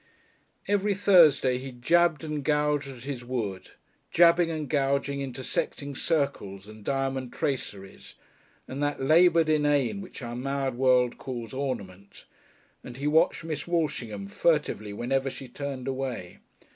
Every Thursday he jabbed and gouged at his wood, jabbing and gouging intersecting circles and diamond traceries, and that laboured inane which our mad world calls ornament, and he watched Miss Walshingham furtively whenever she turned away.